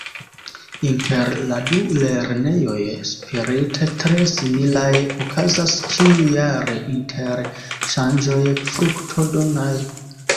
Inter la du lernejoj spirite tre similaj okazas ĉiujare interŝanĝoj fruktodonaj.